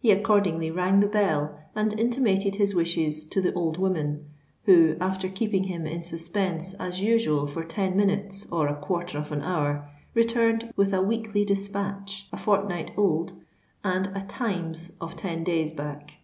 He accordingly rang the bell, and intimated his wishes to the old woman, who, after keeping him in suspense as usual for ten minutes or a quarter of an hour, returned with a Weekly Dispatch a fortnight old and a Times of ten days back.